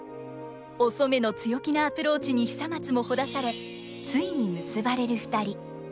お染の強気なアプローチに久松もほだされついに結ばれる２人。